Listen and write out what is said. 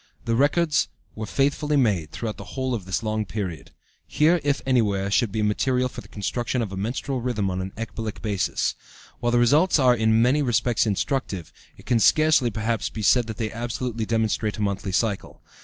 The records were faithfully made throughout the whole of this long period. Here, if anywhere, should be material for the construction of a menstrual rhythm on an ecbolic basis. While the results are in many respects instructive, it can scarcely, perhaps, be said that they absolutely demonstrate a monthly cycle.